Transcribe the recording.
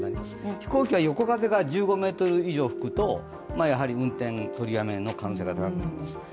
飛行機は横風が１５メートル以上吹くとやはり運転取りやめの可能性が高くなります。